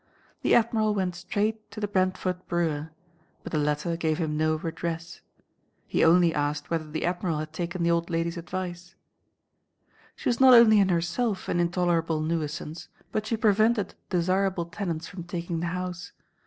The Admiral went straight to the Brentford brewer, but the latter gave him no redress. He only asked whether the Admiral had taken the old lady's advice. She was not only in herself an intolerable nuisance, but she prevented desirable tenants from taking the house.